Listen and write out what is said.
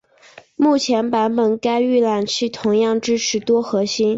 目前版本该预览器同样支持多核心。